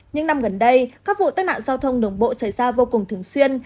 những năm gần đây các vụ tai nạn giao thông đường bộ xảy ra vô cùng thường xuyên